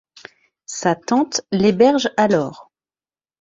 Sa tante l'héberge alors.